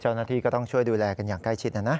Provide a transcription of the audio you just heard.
เจ้าหน้าที่ก็ต้องช่วยดูแลกันอย่างใกล้ชิดนะนะ